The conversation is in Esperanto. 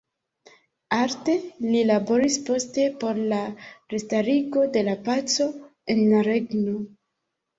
Arde li laboris poste por la restarigo de la paco en la regno.